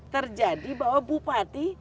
terjadi bahwa bupati